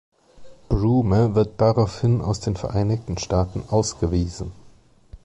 Broome wird daraufhin aus den Vereinigten Staaten ausgewiesen.